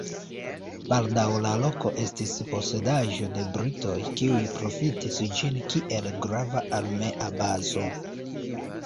Baldaŭ la loko estis posedaĵo de britoj, kiuj profitis ĝin kiel grava armea bazo.